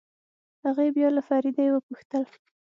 هغې بيا له فريدې وپوښتل.